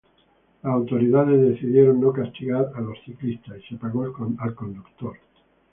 Las autoridades decidieron no castigar a los ciclistas, y se pagó al conductor.